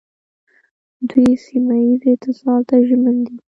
دوی سیمه ییز اتصال ته ژمن دي.